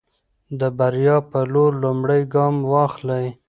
د بریا په لور لومړی ګام واخلئ.